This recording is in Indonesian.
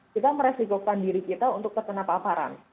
kita meresikokan diri kita untuk terkena paparan